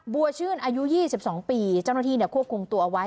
บัวชื่นอายุยี่สิบสองปีเจ้าหน้าที่เนี่ยควบคุมตัวเอาไว้